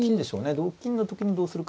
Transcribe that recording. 同金の時にどうするか。